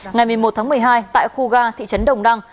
ngày một mươi một tháng một mươi hai tại khu ga thị trấn đồng đăng